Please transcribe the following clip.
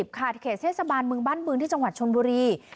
บาทเขตเทศกรรมบริวจนโลยาบั้นบืนที่จังหวัดชนบุรี